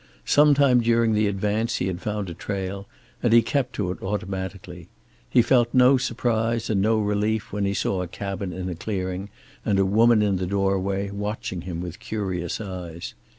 Some time during that advance he had found a trail, and he kept to it automatically. He felt no surprise and no relief when he saw a cabin in a clearing and a woman in the doorway, watching him with curious eyes.